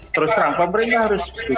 terus terang pemerintah harus